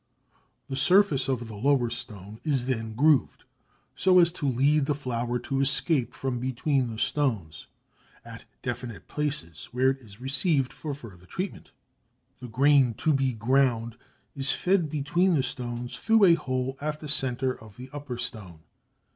The surface of the lower stone is then grooved so as to lead the flour to escape from between the stones at definite places where it is received for further treatment. The grain to be ground is fed between the stones through a hole at the centre of the upper stone.